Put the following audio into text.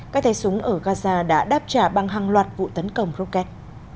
các tay súng ở gaza đã đáp trả bằng hàng loạt vụ tấn công rocket